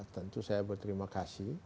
tentu saya berterima kasih